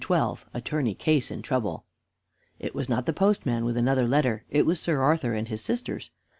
XII ATTORNEY CASE IN TROUBLE It was not the postman with another letter. It was Sir Arthur and his sisters.